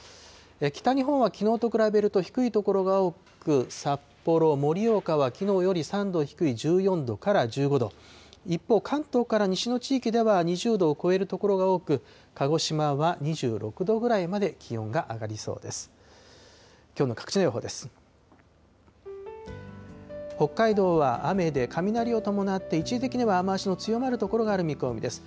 北日本はきのうと比べると低い所が多く、札幌、盛岡はきのうより３度低い１４度から１５度、一方、関東から西の地域では２０度を超える所が多く、鹿児島は２６度ぐらいまで気温が上がりそうです。